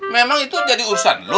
memang itu jadi urusan lo